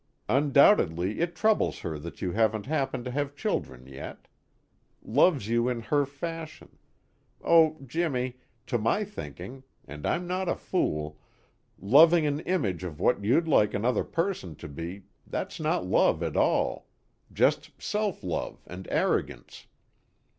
Undoubtedly it troubles her that you haven't happened to have children yet. Loves you in her fashion oh, Jimmy, to my thinking, and I'm not a fool, loving an image of what you'd like another person to be, that's not love at all, just self love and arrogance.